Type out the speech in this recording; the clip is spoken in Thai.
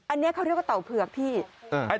อันนี้เขาเรียกว่าเต่าเผือกพี่